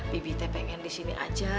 bibik teh pengen disini aja